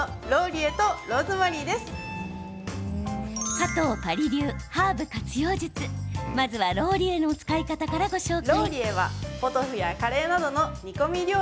加藤巴里流ハーブ活用術、まずはローリエの使い方からご紹介。